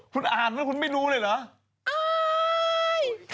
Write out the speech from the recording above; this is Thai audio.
คุณอ่านแล้วคุณไม่รู้เลยเหรอ